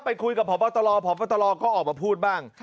ไปคุยกับพบตรพบตรก็ออกมาพูดบ้าง